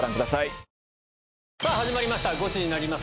さぁ始まりました「ゴチになります！」